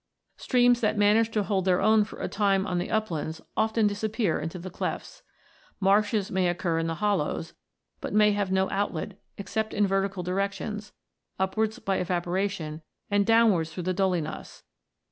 Streams that manage to hold their own for a time on the uplands often disappear into the clefts. Marshes may occur in hollows, but may have no outlet, except in vertical directions, upwards by evaporation and downwards through the dolinas.